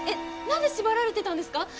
何で縛られてたんですか？